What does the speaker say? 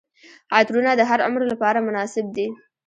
عطرونه د هر عمر لپاره مناسب دي.